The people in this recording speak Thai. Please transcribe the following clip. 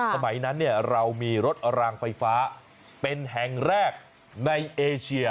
สมัยนั้นเรามีรถรางไฟฟ้าเป็นแห่งแรกในเอเชีย